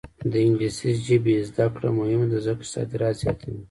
د انګلیسي ژبې زده کړه مهمه ده ځکه چې صادرات زیاتوي.